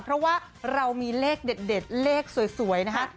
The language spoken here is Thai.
เพราะว่าเรามีเลขเด็ดเลขสวยนะคะ